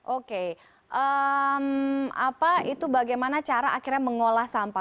oke apa itu bagaimana cara akhirnya mengolah sampah